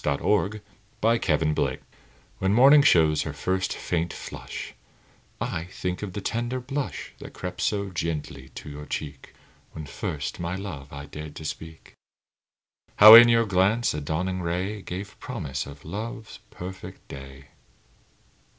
MORNING, NOON AND NIGHT When morning shows her first faint flush, I think of the tender blush That crept so gently to your cheek When first my love I dared to speak; How, in your glance, a dawning ray Gave promise of love's perfect day.